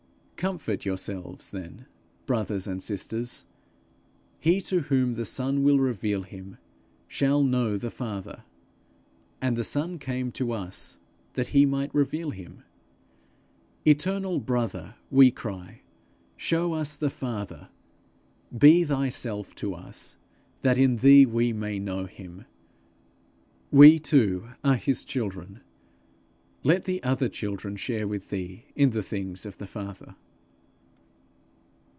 Comfort yourselves then, brothers and sisters; he to whom the Son will reveal him shall know the Father; and the Son came to us that he might reveal him. 'Eternal Brother,' we cry, 'show us the Father. Be thyself to us, that in thee we may know him. We too are his children: let the other children share with thee in the things of the Father.'